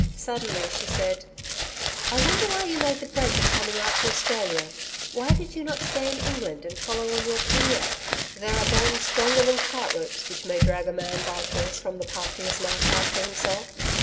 Suddenly she said: 'I wonder why you made the break of coming out to Australia why you did not stay in England and follow on your career?' 'There are bonds stronger than cart ropes which may drag a man by force from the path he has marked out for himself.